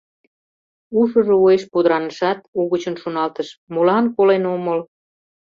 Ушыжо уэш пудыранышат, угычын шоналтыш: «Молан колен омыл?